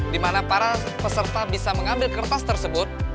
di mana para peserta bisa mengambil kertas tersebut